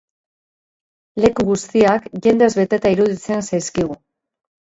Leku guztiak jendez beteta iruditzen zaizkigu.